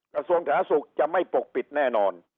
กระทรวงฐาศุกร์จะไม่ปกปิดแน่นอน